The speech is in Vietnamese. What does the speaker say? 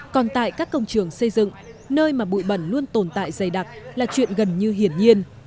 còn tại các công trường xây dựng nơi mà bụi bẩn luôn tồn tại dày đặc là chuyện gần như hiển nhiên